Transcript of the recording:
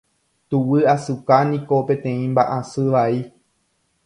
Tuguyasuka niko peteĩ mba'asy vai.